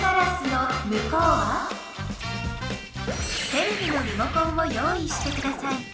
テレビのリモコンをよういしてください。